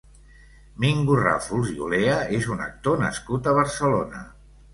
Mingo Ràfols i Olea és un actor nascut a Barcelona.